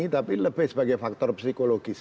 tapi lebih sebagai faktor psikologis